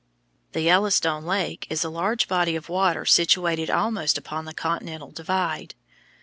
The Yellowstone Lake is a large body of water situated almost upon the continental divide.